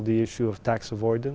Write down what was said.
phương tiện phát triển